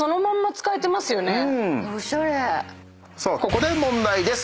ここで問題です。